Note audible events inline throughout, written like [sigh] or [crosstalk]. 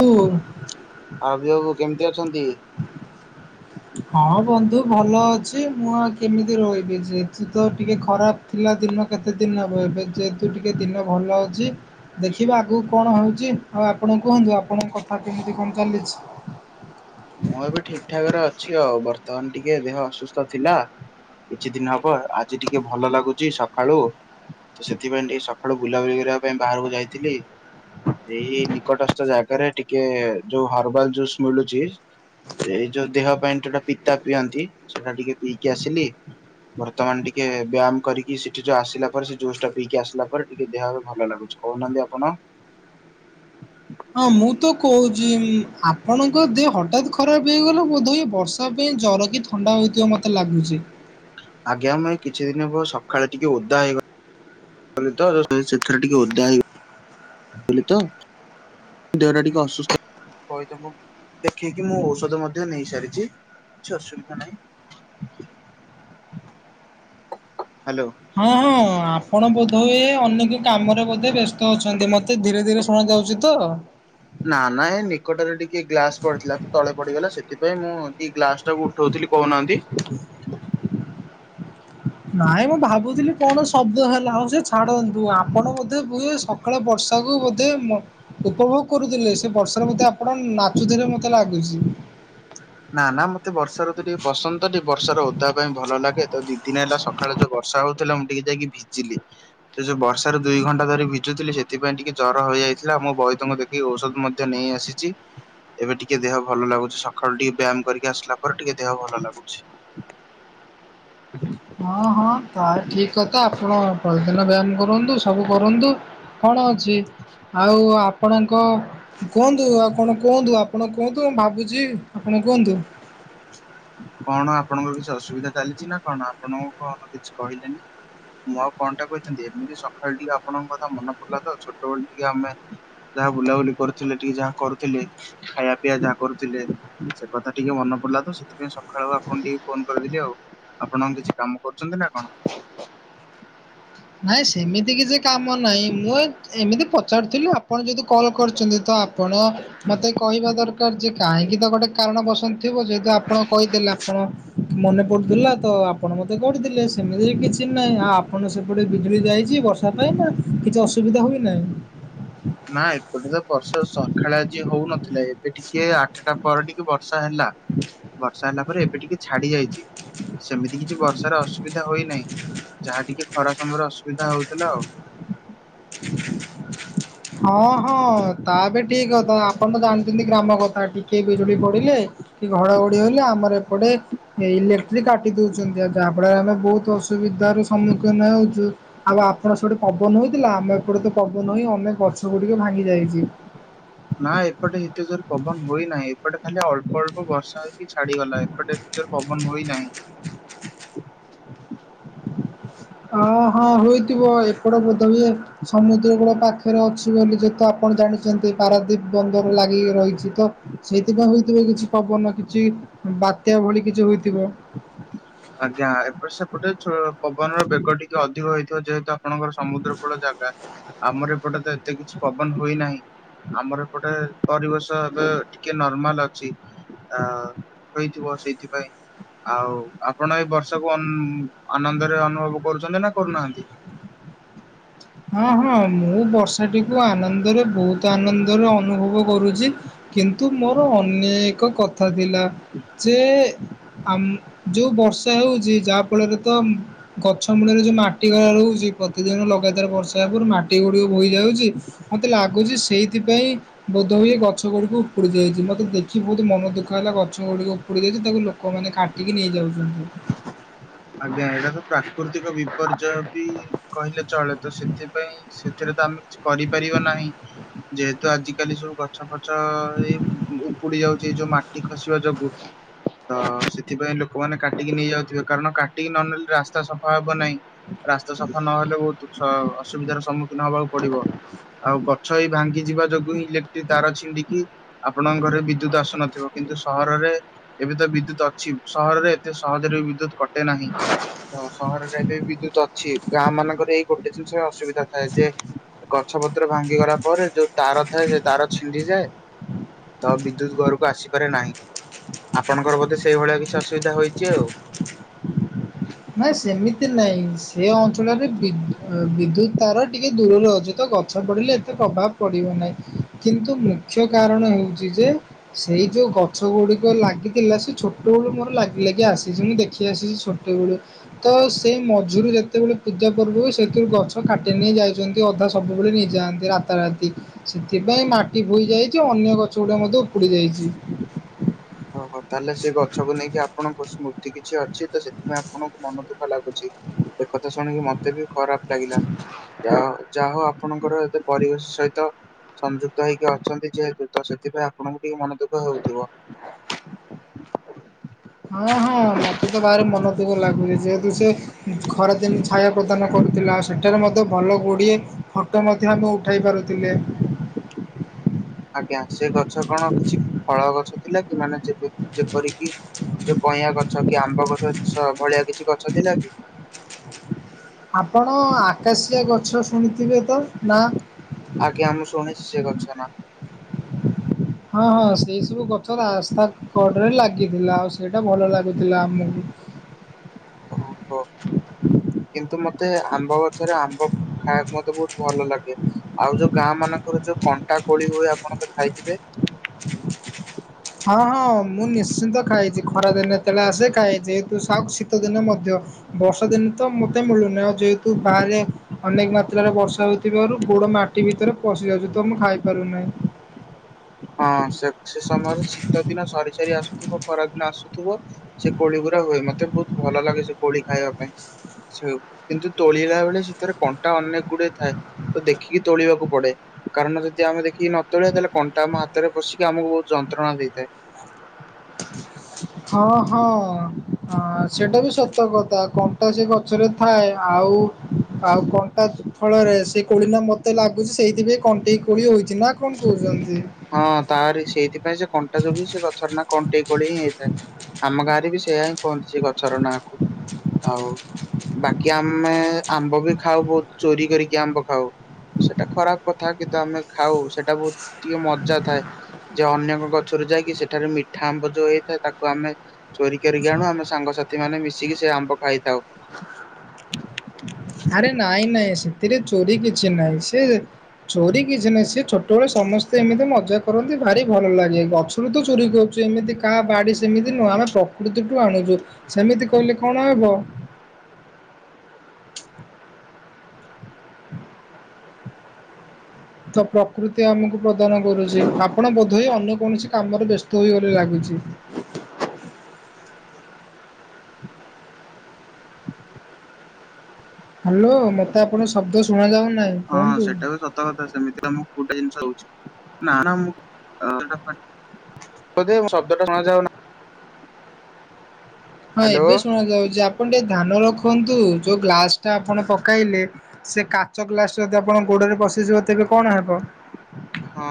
ତୁ [unintelligible] କେମିତି ଅଛନ୍ତି। ହଁ ବନ୍ଧୁ ଭଲ ଅଛି ମୁଁ ଆଉ କେମିତି ରହିବି ଯେହେତୁ ତ ଟିକେ ଖରାପ ଥିଲା। ଦିନ କେତେ ଦିନ ହବ ଏବେ ଯେହେତୁ ଟିକେ ଦିନ ଭଲ ଅଛି ଦେଖିବା ଆଗକୁ କଣ ହଉଛି। ହଁ ଆପଣ କୁହନ୍ତୁ ଆପଣଙ୍କ କଥା କେମିତି କଣ ଚାଲିଛି। ମୁଁ ଏବେ ଠିକ ଠାକ ରେ ଅଛି ଆଉ, ବର୍ତ୍ତମାନ ଟିକେ ଦେହ ଅସୁସ୍ଥ ଥିଲା। କିଛି ଦିନ ହବ, ଆଜି ଟିକେ ଭଲ ଲାଗୁଚି ସକାଳୁ ତ, ସେଥିପାଇଁ ଟିକେ ସକାଳୁ ବୁଲାବୁଲି କରିବା ବା ପାଇଁ ବାହାରକୁ ଯାଇଥିଲି। ଏଇ ନିକଟସ୍ଥ ଜାଗାରେ ଟିକେ ଯୋଉ ହର୍ବାଲ ଜୁସ୍ ମିଳୁଚି। ଏଇ ଯୋଉ ଦେହ ପାଇଁ ଯୋଉଟା ପିତା ପିଅନ୍ତି, ସେଟା ଟିକେ ପିଇକି ଆସିଲି। ବର୍ତ୍ତମାନ ଟିକେ ବ୍ୟାୟାମ କରିକି ସେଠି ଯୋଉ ଆସିଲା ପରେ। ସେ ଜୁସ ଟା ପିଇକି ଆସିଲା ପରେ ଟିକେ ଦେହ ଆଉ ଭଲ ଲାଗୁଛି। କୋଉନାହାନ୍ତି ଆପଣ? ହଁ ମୁଁ ତ କହୁଛି ଉଁ ଆପଣଙ୍କ ଦେହ ହଠାତ ଖରାପ ହେଇଗଲା ବୋଧହୁଏ ବର୍ଷା ପାଇଁ ଜର କି ଥଣ୍ଡା ହଉଥିବ ମତେ ଲାଗୁଛି। ଆଜ୍ଞା ମୁ ଏଇ କିଛି ଦିନ ହେବ ସକାଳେ ଟିକେ ଓଦା ହେଇଗ ଗଲି ତ ସେଥିରେ ଟିକେ ଓଦା ହେଇ ଗଲି ତ ଦେହଟା ଟିକେ ଅସୁସ୍ଥ ବଇଦ ଙ୍କୁ ଦେଖେଇକି, ମୁଁ ଔଷଧ ମଧ୍ୟ ନେଇ ସାରିଛି କିଛି ଅସୁବିଧା ନାହିଁ। [inaudible] ହ୍ୟାଲୋ। ହଁ ହଁ ଆପଣ ବୋଧହୁଏ ଅନେକ କାମରେ ବୋଧେ ବ୍ୟସ୍ତ ଅଛନ୍ତି। ମତେ ଧୀରେ ଧୀରେ ଶୁଣା ଯାଉଛି ତ। ନା ନା ଏ ନିକଟରେ ଟିକେ ଗ୍ଲାସ ପଡିଥିଲା ତ ତଳେ ପଡିଗଲା। ସେଥିପାଇଁ ମୁଁ ଟିକେ ଗ୍ଲାସ ଟାକୁ ଉଠଉ ଦିଲି କହୁନାହାନ୍ତି। [inaudible] ନାଇଁ ମୁଁ ଭାବୁ କହୁଥିଲି କଣ ଶବ୍ଦ ହେଲା। ହଉ ସେ ଛାଡ଼ନ୍ତୁ ଆପଣ ବୋଧେ କୁହେ ସକାଳେ ବର୍ଷାକୁ ବୋ ଧେ ମ ଉପଭୋଗ କରୁଥିଲେ। ସେ ବର୍ଷାରେ ବଧେ ଆପଣ ନାଚୁଥିଲେ ମତେ ଲାଗୁଛି। ନା ନା ମତେ ବର୍ଷା ଋତୁ ଟିକେ ପସନ୍ଦ ଟିକେ ବର୍ଷାର ଓଦା ପାଇଁ ଭଲ ଲାଗେ ତ, ଦି ଦିନ ହେଲା ସକାଳେ ଯୋଉ ବର୍ଷା ହଉ ଚାଲା ମୁଁ ଟିକେ ଯାଇକି ଭିଜିଲି। ସେ ଯୋଉ ବର୍ଷାରେ ଦୁଇ ଘଣ୍ଟା ଧରି ଭିଜୁଥିଲି। ସେଥିପାଇଁ ଟିକେ ଜର ହେଇଯାଇଥିଲା, ମୁଁ ବାଇଦଙ୍କୁ ଦେଖିଇକି ଔଷଧ ମଧ୍ୟ ନେଇ ନେଇ ଆସିଛି ଏବେ ଟିକେ ଦେହ ଭଲ ଲାଗୁଛି। ସକାଳୁ ଟିକେ ବ୍ୟାୟାମ କରିକି ଆସିଲା ପରେ ଟିକେ ଦେହ ଭଲ ଲାଗୁଛି। ହଁ ହଁ ତ ଠିକ କଥା। ଆପଣ ପ୍ରତିଦିନ ବ୍ୟାୟାମ କରନ୍ତୁ ସବୁ କରନ୍ତୁ କଣ ଅଛି। ଆଉ ଆପଣଙ୍କ କୁହନ୍ତୁ, ଆଉ କଣ କୁହନ୍ତୁ, ଆପଣ କୁହନ୍ତୁ ମୁ ଭାବୁଛି ଆପଣ କ କୁହନ୍ତୁ। [inaudible] କଣ ଆପଣଙ୍କର କିଛି ଅସୁବିଧା ଚାଲିଛି ନା କଣ, ଆପଣଙ୍କୁ କଣ କିଛି କହିଲେନି। ମୁଁ ଆଉ କଣଟା କହିଥାନ୍ତି। ଏମିତି ସକାଳେ ଟିକେ ଆପଣଙ୍କ କଥା ମନେ ପଡିଲା ତ ଛୋଟବେଳେ ଟିକେ ଆମେ ଯାହା ବୁଲାବୁଲି କରୁଥିଲେ। ଟିକେ ଯାହା କରୁଥିଲେ ଖାଇବା ପିଇବା ଯାହା କରୁଥିଲେ। ସେ କଥା ଟିକେ ମନେ ପଡିଲା ତ ସେ ସେଥିପାଇଁ ସକାଳୁ ଆପଣଙ୍କୁ ଟିକେ ଫୋନ କରିଦେଲି। ଆଉ ଆପଣ କିଛି କାମ କରୁଛନ୍ତି ନା କଣ? [inaudible] ନାଇଁ ସେମିତି କିଛି କାମ ମ ନାଇଁ ମୁଁ ଏ ଏମିତି ପଚାରୁଥିଲି! ଆପଣ ଯଦି କଲ୍ କରିଛନ୍ତି ତ ଆପଣ ମୋତେ କହିବା ଦରକାର ଯେ କାହିଁକି ତ ଗୋଟେ କାରଣ ପସନ୍ଦ ଥିବ ଯେହେତୁ ଆପଣ କହିଦେଲେ ଆପଣ ମନେ ପଡ଼ୁଥିଲା ତ ଆପଣ ମୋତେ କରିଥିଲେ। ସେମିତି କିଛି ନାହିଁ ଆପଣ ସବୁ ଏପଟେ ବିଜୁଳି ଯାଇଛି ବର୍ଷା ପାଇଁ ନା କିଛି ଅସୁବିଧା ହୁଏ ନାହିଁ। ନା ଏପଟେ ତ ବର୍ଷା ସଖାଳେ ଆଜି ହଉନଥିଲା, ଏବେ ଟିକେ ଆଠଟା ପରେ ଟିକେ ବର୍ଷା ହେଲା। ବର୍ଷା ହେଲା ପରେ ଏବେ ଟିକେ ଛାଡି ଯାଇଛି। ସେମିତି କିଛି ବର୍ଷାର ଅସୁବିଧା ହୋଇନାହିଁ। ଯାହା ଟିକେ ଖରା ସମୟରେ ଅସୁବିଧା ହଉଥିଲା ଆଉ। ହଁ ହଁ ତା ବି ଠିକ୍ କଥା। ଆପଣ ତ ଜାଣିଛନ୍ତି ଗ୍ରାମ କଥା ଟିକେ ବିଜୁଳି ପଡ଼ିଲେ କି ଘଡଘଡି ହେଲେ। ଆମର ଏପଟେ ଇଲେକ୍ଟ୍ରିକ କାଟି ଦଉଛନ୍ତି, ଆଉ ଯାହା ଫଳରେ ଆମେ ବହୁତ ଅସୁ ବିଧାର ସମ୍ମୁଖୀନ ହେଉଛୁ। ଆଉ ଆପଣ ସେଡେ ପବନ ହେଇଥିଲା ଆମେ ଏପଟେ ତ ପବନ ହିଁ [unintelligible] ଗଛ ଗୁଡ଼ିକ ଭାଙ୍ଗି ଯାଇଛି। ନା ଏପଟେ ହେତେ ଜୋର୍‌ ପବନ ହୋଇ ନାହିଁ ଏପଟେ ଖାଲି ଅଳ୍ପ ଅଳ୍ପ ବର୍ଷା ହୋଇ କି ଛାଡ଼ିଗଲା ଏପଟେ ଏତେ ଜୋର୍ ରେ ପବନ ହୋଇ ନାହିଁ। ହଁ ହଁ ହୋଇଥିବ ଏପଟ ବୋଧେ ହୁଏ ସମୁଦ୍ର କୂଳ ପାଖରେ ଅଛି ବୋଲି ଯେତ ଆପଣ ଜାଣିଛନ୍ତି ପାରାଦୀପ ବନ୍ଦର ଲାଗି ରହିଛି ତ ସେଇଥିପାଇଁ ହୋଇଥିବ କିଛି ପବନ କିଛି ବାତ୍ୟା ଭଳି କି ଯୋ ହୋଇଥିବ। ଆଜ୍ଞା ଏପଟ ସେପଟେ ସୁ ପବନର ବେଗ ଟିକେ ଅଧିକ ହେଇଥିବ ଯେହେତୁ ଆପଣଙ୍କର ସମୁଦ୍ର କୂଳ ଜାଗା ଆମର ଏପଟେ ତ ଏତେ କିଛି ପବନ ହୋଇ ନାହିଁ। ଆମର ଏପଟେ ପରିବେଶ ଏବେ ଟିକେ ନର୍ମାଲ୍ ଅଛି। ଅ ହୋଇଥିବ ସେଇଥିପାଇଁ ଆଉ। ଆପଣ ଏଇ ବର୍ଷାକୁ ଅନ୍ ଆନନ୍ଦରେ ଅନୁଭବ କରୁଛନ୍ତି ନା କରୁନାହାନ୍ତି। ହଁ ହଁ ମୁଁ ବର୍ଷାଟିକୁ ଆନନ୍ଦରେ ବହୁତ ଆନନ୍ଦରେ ଅନୁଭବ କରୁଛି। କିନ୍ତୁ ମୋର ଅନେକ କଥା ଥିଲା ଯେ ଆମ ଯୋଉ ବର୍ଷା ହଉଛି ଯାହା ଫଳରେ ତ ଗଛ ମୂଳରେ ଯୋଉ ମାଟି [unintelligible] ହଉଛି। ପ୍ରତିଦିନ ଲଗାତାର ବର୍ଷା ହେବାରୁ ମାଟି ଗୁଡ଼ିକ ବୋହିଯାଉଛି ମତେ ଲାଗୁଛି ସେଇ ସେଥିପାଇଁ ବୋଧ ହୁଏ ଗଛ ଗୁଡ଼ିକୁ ଉପୁଡି ଯାଇଛି ମତେ ଦେଖି ବହୁତ ମନ ଦୁଃଖ ହେଲା ଗଛ ଗୁଡ଼ିକ ଉପୁଡି ଯାଇ ତାକୁ ଲୋକମାନେ କାଟିକି ନେଇଯାଉଛନ୍ତି। ଆଜ୍ଞା ଏଇଟା ତ ପ୍ରାକୃତିକ ବିପର୍ଯ୍ୟୟ ବି କହିଲେ ଚଳେ। ତ ସେଥିପାଇଁ ସେଥିରେ ତ ଆମେ କିଛି କରିପାରିବା ନାହିଁ ଯେହେତୁ ଆଜିିକାଲି ସବୁ ଗଛ ପ ଗଛ ଏଇ ଉପୁଡି ଯାଉଛି ଏଇ ଯୋଉ ମାଟି ଖସିବା ଯୋଗୁଁ। ତ ସେଥିପାଇଁ ଲୋକମାନେ କାଟିକି ନେଇଯାଉଥିବେ କାରଣ କା ଟି ନ ନେଲେ ରାସ୍ତା ସଫା ହବ ନାହିଁ ରାସ୍ତା ସଫା ନହେଲେ ବହୁତ ସ ଅସୁବିଧାର ସମ୍ମୁଖୀନ ହବାକୁ ପଡ଼ିବ ଆଉ ଗଛ ଏଇ ଭାଙ୍ଗି ଯିବା ଯୋଗୁ ହିଁ ଇଲେକ୍ଟ୍ରିକ ତାର ଛିଣ୍ଡିକି ଆପଣଙ୍କ ଘରେ ବିଦ୍ୟୁତ ତ ଆସୁନଥିବ କିନ୍ତୁ ସହରରେ ଏବେ ତ ବିଦ୍ୟୁତ ଅଛି ସହରରେ ଏତେ ସହଜରେ ବିଦ୍ୟୁତ କ ଏତେ ନାହିଁ। ସହରରେ ଏବେ ବିଦ୍ୟୁତ ଅଛି ଗାଁ ମାନଙ୍କରେ ଏଇ ଗୋଟେ ଜିନିଷ ଅସୁବିଧା ଥାଏ ଯେ ଗଛ ଗଛ ପତ୍ର ଭାଙ୍ଗି ଗଲା ପରେ ଯୋଉ ତାର ଥାଏ ସେ ତାର ଛିଣ୍ଡିଯାଏ। ତ ବିଦ୍ୟୁତ୍‌ ଘରକୁ ଆସିପାରେ ନାହିଁ। ଆପଣଙ୍କର ବୋଧେ ସେଇ ଭଳିଆ କିଛି ଅସୁବିଧା ହୋଇଛି ଆଉ। ନାଇଁ ସେମିତି ନାଇଁ ସେ ଅଞ୍ଚଳରେ ବି ବିଦ୍ୟୁତ୍‌ ତାର ଟିକେ ଦୂରରେ ଅଛି ତ ଗଛ ପଡ଼ିଲେ ଏତେ ପ୍ରଭାବ ପଡ଼େ ପିଉ ନାହିଁ କିନ୍ତୁ ମୁଖ୍ୟ କାରଣ ହେଉଛି ଯେ ସେଇ ଯୋଉ ଗଛ ଗୁଡ଼ିକ ଲାଗି ଥିଲା ସେ ଛୋଟବେଳୁ ମୋର ଲାଗି ଲାଗି ଆସିଛି ମୁଁ ଦେଖି ଆସିଛି ଛୋଟବେଳୁ। ତ ସେଇ ମଝିରୁ ଯେତେବେଳେ ପୂଜା ପର୍ବ ସେଥିରୁ ଗଛ କାଟି ନେଇ ଯାଇଛନ୍ତି ଅଧା ସବୁବେଳେ ନେଇ ଯାନ୍ତି ରାତା ରାତି ସେଥିପାଇଁ ମାଟି ବୋହି ଯାଇଛି ଅନ୍ୟ ଗଛ ଗୁଡ଼ାକ ମଧ୍ୟ ଉପୁଡ଼ି ଯାଇଛି। ଅହୋ ତା ହେଲେ ସେ ଗଛକୁ ନେଇକି ଆପଣଙ୍କ ସ୍ମୃତି କି କିଛି ଅଛି ତ ସେଥିପାଇଁ ଆପଣଙ୍କୁ ମନ ଦୁଃଖ ଲାଗୁଛି ଏ କଥା ଶୁଣିକି ମତେ ବି ଖରାପ ଲାଗିଲା ଯାହା ଯାହା ହେଉ ଆପଣଙ୍କର ଏ ପରିବେଶ ସହିତ ସଂଯୁକ୍ତ ହେଇକି ଅଛନ୍ତି ଯେହେତୁ ତ ସେଥିପାଇଁ ଆପଣଙ୍କୁ ଟିକେ ମନ ଦୁଃଖ ହେଉଥିବ। ହଁ ହଁ ମୋତେ ତ ଭାରି ମନ ଦୁଃଖ ଲାଗୁଛି ଯେହେତୁ ସେ ଖରାଦିନେ ଛାୟା ପ୍ରଦାନ କରୁଥିଲା। ସେଠାରେ ମଧ୍ୟ ଭଲ ଗୁଡ଼ିଏ ଫଟୋ ମଧ୍ୟ ଆମେ ଉଠାଇ ପାରୁଥିଲେ। ଆଜ୍ଞା ସେ ଗଛ କଣ କିଛି ଫଳ ଗଛ ଥିଲା କି ମାନେ ଯେ ଯେପରି କିି ଯୋଉ କଇଁଆ ଗଛ କି ଆମ୍ବ ଗଛ ସେ ଭଳିଆ କିଛି ଗଛ ଥିଲା କି? ଶୁଭୁନି ଆପଣ ଆକାଶିଆ ଗଛ ଶୁଣିଥିବେ ତ ନା? ଆଜ୍ଞା ମୁଁ ଶୁଣିଛି ସେ ଗଛ ନା ହଁ ହଁ ସେଇ ସବୁ ଗଛ ରାସ୍ତା କଡ଼ରେ ଲାଗିଥିଲା ଆଉ ସେଇଟା ଭଲ ଲାଗୁଥିଲା ଆମକୁ। ଅହୋ କେ କିନ୍ତୁ ମତେ ଆମ୍ବ ଗଛରେ ଆମ୍ବ ଖାଇବାକୁ ମତେ ବହୁତ ଭଲ ଲାଗେ। ଆଉ ଯୋଉ ଗାଁ ମାନଙ୍କରେ ଯୋଉ କଣ୍ଟା କୋଳି ହୁଏ ଆପଣ ତ ଖାଇଥିବେ? ହଁ ହଁ, ମୁଁ ନିଶ୍ଚିନ୍ତ ଖାଇଛି ଖରାଦିନେ ଯେତେବେଳେ ଆସେ ଖାଇଛି। ତୁ ସକ୍ ଶୀତଦିନେ ମଧ୍ୟ। ବର୍ଷା ଦିନ ତ ମତେ ମିଳୁନି। ଯେହେତୁ ବାହାରେ ଅନେକ ମାତ୍ରାରେ ବର୍ଷା ହୋଇଥିବାରୁ ଗୋଡ ମାଟି ଭିତରେ ପଶି ଯାଉଛି ତ ମୁଁ ଖାଇ ପାରୁନାହିଁ। ହଁ, ସେ ସେ ସମୟରେ ଶୀତ ଦିନ ସରି ସରିି ଆସୁଥିବ ଖରାଦିନ ଆସୁ ଥିବ ସେ କୋଳି ଗୁଡା ହୁଏ ମତେ ବହୁତ ଭଲ ଲାଗେ ସେ କୋଳି ଖାଇବା ପାଇଁ। ସେ କିନ୍ତୁ ତୋଳିଲା ବେଳେ ସେଥିରେ କଣ୍ଟା ଅନେକ ଗୁଡଏ ଥାଏ ତ ଦେଖିକି ତୋଳିବାକୁ ପଡେ। କାରଣ ଯଦି ଆମେ ଦେଖିକି ନ ତୋଳିବା ତାହେଲେ କ ଟା ଆମ ହାତରେ ପଶିକି ଆମକୁ ବହୁତ ଯନ୍ତ୍ରଣା ଦେଇଥାଏ। ହଁ ହଁ, ସେଇଟା ବି ସତ କଥା କଣ୍ଟା ସେ ଗଛରେ ଥାଏ। ଆଉ ଆଉ, ଆଉ କଣ୍ଟା ଫଳରେ ସେ କୋଳି ନା ମତେ ଲାଗୁଛି ସେଇଥିପାଇଁ କଣ୍ଟେଇ କୋଳି ହୋଇଛି। ନା କଣ କହୁଛନ୍ତି। ହଁ, ତାରି ସେଇଥିପାଇଁ ସେ କ କଣ୍ଟା ଯୋଗୁଁ ସେ ଗଛର ନାଆଁ କଣ୍ଟେଇ କୋଳି ହିଁ ହେଇଥାଏ ଆମ ଗାଁରେ ବି ସେଇଆ ହିଁ କହନ୍ତି ସେ ଗ ଗଛର ନାଆଁ କୁ ଆଉ ବାକି ଆମେ ଆମ୍ବ ବି ଖାଉ ବହୁତ ଚୋରି କରିକି ଆମ୍ବ ଖାଉ। ସେଇଟା ଖରାପ କଥା କିନ୍ତୁ ଆମେ ଖାଉ ସେଟା ବହୁତ ଟିକେ ମଜା ଥାଏ। ଯେ ଅନ୍ୟଙ୍କ ଗଛରୁ ଯାଇକି ସେଠାରେ ମିଠା ଆମ୍ବ ଯୋଉ ହେଇଥାଏ ତାକୁ ଆମେ ଚୋରି କରିକି ଆଣୁ। ଆମେ ସାଙ୍ଗ ସାଥି ମାନେ ମିଶିକି ସେ ଆମ୍ବ ଖାଇଥାଉ। ଆରେ ନାଇଁ ନାଇଁ ସେଥିରେ ଚୋରି କିଛି ନାଇଁ। ସେ ଚୋରି କିଛି ନାହିଁ। ସିଏ ଛୋଟବେଳେ ସମସ୍ତେ ଏମିତି ମଜା କରନ୍ତି ଭାରି ଭଲ ଲାଗେ। ଗଛରୁ ତ ଚୋରି କରୁଛେ ଏମିତି କାହା ବାଡି ସେମିତି ନୁହଁ ଆମେ ପ୍ରକୃତି ଠୁ ଆଣୁଛୁ ସେମିତି କହିଲେ କଣ ହବ। ତ ପ୍ରକୃତି ଆମକୁ ପ୍ରଦାନ କରୁଛି। ଆପଣ ବୋଧହୁଏ ଅନ୍ୟ କୌଣସି କାମରେ ବ୍ୟସ୍ତ ହୋଇଗଲେ ଲାଗୁଛି। ହ୍ୟାଲୋ, ମତେ ଆପଣ ଶବ୍ଦ ଶୁଣା ଯାଉ ହଁ, ସେଇଟା ବି ସତ କଥା ସେମିତି ତ ମୁଁ କୋଉଟା ଜିନିଷ ନା ନା ମୁଁ [unintelligible] ଶବ୍ଦଟା ଶୁଣା ଯାଉନା ହଁ ଏବେ ଶୁଣ ଯାଉଛି ଆପଣ ଟିକେ ଧାନ ରଖନ୍ତୁ ଯୋଉ ଗ୍ଲାସ ଟା ଆପଣ ପକାଇଲେ ସେ କାଚ ଗ୍ଲାସ ଯଦି ଆ ଆପଣ ଗୋଡରେ ପଶିଯିବ ତେବେ କଣ ହେବ। ହଁ।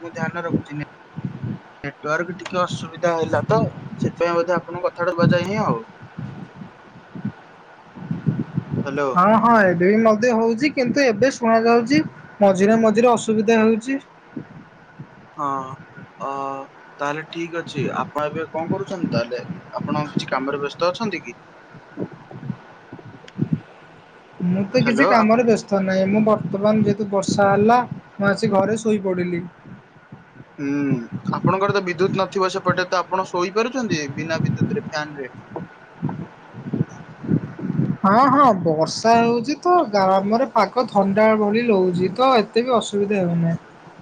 ମୁଁ ଧ୍ୟାନ ରଖୁଛି ନେଟୱାର୍କ ଟିକେ ଅସୁବିଧା ହେଲା ତ ସେଥିପାଇଁ ବୋଧେ ଆପଣଙ୍କୁ କଥାଟା ଶୁଭାଯାଇନି ଆଉ। ହ୍ୟାଲୋ। ହଁ ହଁ ଏବେ ବି ମଧ୍ୟ ହଉଛି କିନ୍ତୁ ଏବେ ଶୁଣା ଯାଉଛି ମଝିରେ ମଝିରେ ଅସୁବିଧା ହେଉଛି। ହଁ, ଅ ତାହେଲେ ଠିକ ଅଛି ଆପଣ ଏବେ କଣ କରୁଛନ୍ତି ତାହେଲେ? ଆପଣ କିଛି କାମରେ ବ୍ୟସ୍ତ ଅଛନ୍ତି କି? ମୁଁ ତ କିଛି ହ୍ୟାଲୋ କାମରେ ବ୍ୟସ୍ତ ନା ନାଇଁ ମୁଁ ବର୍ତ୍ତମାନ ଯେହେତୁ ବର୍ଷା ହେଲା ମୁଁ ଆସି ଘରେ ଶୋଇପଡ଼ିଲି। ଥିବ ସେପଟେ ତ ଆପଣ ଶୋଇପାରୁଛନ୍ତି ବିନା ବିଦ୍ୟୁତ୍ ରେ ଫ୍ୟାନ ରେ? ହଁ ହଁ, ବର୍ଷା ହଉଛି ତ ଗାଁ ଆମର ପାକ ଥଣ୍ଡା ଭଳି ଲହୁଛି ତ ଏତେ ବି ଅସୁବିଧା ହେଉ ନାହିଁ।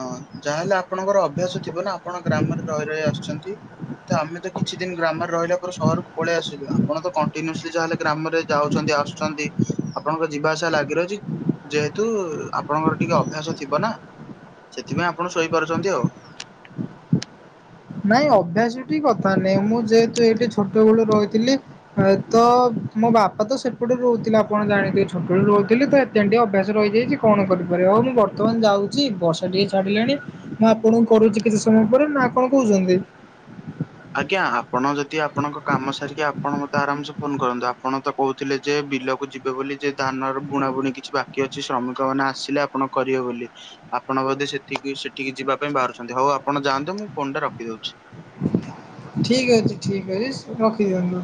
ହଁ, ଯାହାହେଲେ ଆପଣଙ୍କର ଅଭ୍ୟାସ ଥିବ ନା ଆପଣ ଗ୍ରାମରେ ରହି ରହି ଆସୁ ଛନ୍ତି। ତ ଆମେ ତ କିଛି ଦିନ ଗ୍ରାମରେ ରହିଲା ପରେ ସହରକୁ ପଳେଇ ଆସିଲୁ ଆପଣ ତ କଣ୍ଟିନ୍ୟୁସଲି ଯାହାଲେ ଗ୍ରାମରେ ଯାଉଛନ୍ତି ଆସୁଛନ୍ତି ଆପଣଙ୍କ ଯିବା ଆସିବା ଲାଗି ରହୁଛି ଯେହେତୁ ଆପଣଙ୍କର ଟିକେ ଅଭ୍ୟାସ ଥିବ ନା ସେଥିପାଇଁ ଆପଣ ଶୋଇପାରୁଛନ୍ତି ଆଉ। ନାଇଁ, ଅଭ୍ୟାସଟି କଥା ନାଇଁ ମୁଁ ଯେହେତୁ ଏଇଠି ଛୋଟ ବେଳୁ ରହିଥିଲି ତ ମୋ ବାପା ତ ସେପଟେ ରହୁଥିଲେ ଆପଣ ଜାଣିଥିବେ ଛୋଟ ରୁ ରହୁଥିଲେ ତ ହେଇଥିପାଇଁ ଟିକେ ଅଭ୍ୟାସ ରହିଯାଇଛି କଣ କରିପାରେ ହଉ ମୁଁ ବର୍ତ୍ତମାନ ଯାଉଛି ବର୍ଷା ଟିକେ ଛାଡିଲାଣି ମୁଁ ଆପଣଙ୍କୁ କରୁଛି କିଛି ସମୟ ପରେ ନା କଣ କହୁଛନ୍ତି? ଆଜ୍ଞା ଆପଣ ଯଦି ଆପଣଙ୍କ କାମ ସାରିକି ଆ ଆପଣ ମତେ ଆରାମସେ ଫୋନ କରନ୍ତୁ ଆପଣ ତ କହୁଥିଲେ ଯେ ବିଲକୁ ଯିବେ ବୋଲି ଯେ ଧାନର ବୁଣା ବୁଣି କିଛି ବା ଅଛି ଶ୍ରମିକ ମାନେ ଆସିଲେ ଆପଣ କରିବେ ବୋଲି ଆପଣ ବୋଧେ ସେଠି ସେଠିକି ଯିବା ପାଇଁ ବାହାରୁଛନ୍ତି ହଉ ଆ ଆପଣ ଯାଆନ୍ତୁ ମୁଁ ଫୋନ୍ ଟା ରଖିଦଉଛି। ଠିକ ଅଛି ଠିକ ଅଛି ରଖିଦିଅନ୍ତୁ।